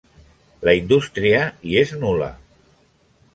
La indústria hi és nul·la.